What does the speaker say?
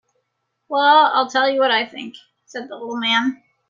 "Well, I'll tell you what I think," said the little man.